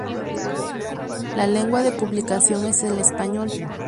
La lengua de publicación es el español.